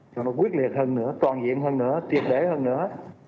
cho nó quyết liệt hơn nữa toàn diện hơn nữa triệt để hơn nữa